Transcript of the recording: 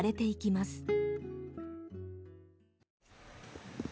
いきます。